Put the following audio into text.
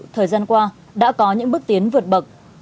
thời gian qua đã có những bước tiến vượt bậc